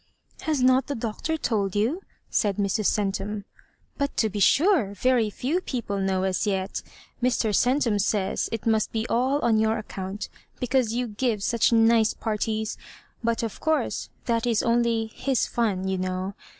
" Has hot the Doctor told you ?" said Mrs. Centum — "but* to be sure, veiy few people know as yet. Mr. Centum says it must be all on your account, because you give such nice parties — Imt of course that is only his fun, you know.